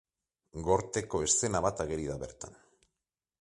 Gorteko eszena bat ageri da bertan.